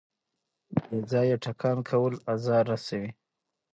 کوانتم نمبرونه د الکترون څرنګوالی او حالت بيانوي.